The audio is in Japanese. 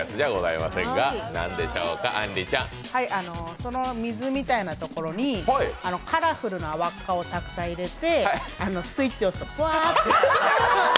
その水みたいなところに、カラフルな輪っかをたくさん入れてスイッチを押すとぽわって。